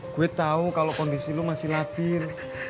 gue tau kalau kondisi lo masih latir